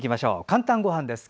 「かんたんごはん」です。